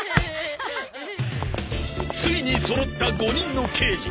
ついにそろった５人の刑児